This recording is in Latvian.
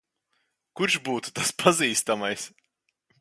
Kurš būtu tas pazīstamais?